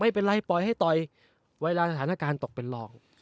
ไม่เป็นไรปล่อยให้ต่อยเวลาถนาการตกเป็นรอง